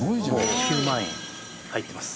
９万円入ってます。